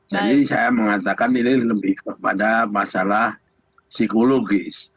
jadi saya mengatakan ini lebih kepada masalah psikologis